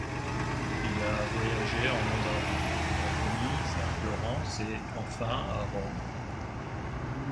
Il a voyagé en Lombardie, à Venise, à Florence et enfin à Rome.